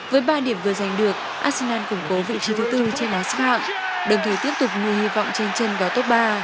với ba điểm vừa giành được arsenal củng cố vị trí thứ tư trên bá sát đồng thời tiếp tục người hy vọng trên chân vào tốc ba